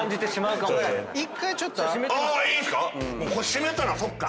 閉めたらそっか。